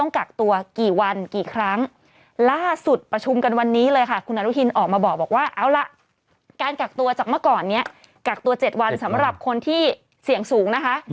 กักตัว๗วันสำหรับคนที่เสี่ยงสูงนะคะ